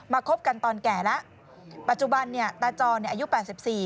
คบกันตอนแก่แล้วปัจจุบันเนี่ยตาจรเนี่ยอายุแปดสิบสี่